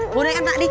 ngồi đây ăn vạ đi